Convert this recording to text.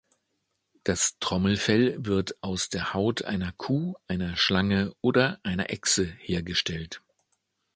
Das Trommelfell wird aus der Haut einer Kuh, einer Schlange oder einer Echse hergestellt.